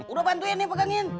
udah bantuin nih pegangin